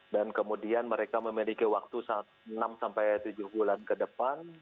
dan kemudian mereka memiliki waktu enam tujuh bulan ke depan